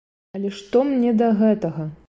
Але што мне да гэтага!